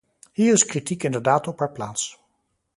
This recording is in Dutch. Hier is kritiek inderdaad op haar plaats.